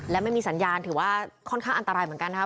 และไม่มีสัญญาณถือว่าค่อนข้างอันตรายเหมือนกันนะครับ